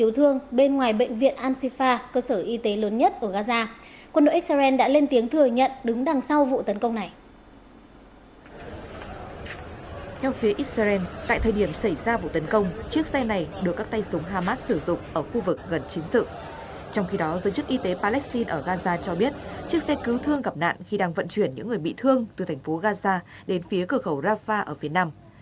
trong khi đó dân chức y tế palestine ở gaza cho biết chiếc xe cứu thương gặp nạn khi đang vận chuyển những người bị thương từ thành phố gaza đến phía cửa khẩu rafah ở phía nam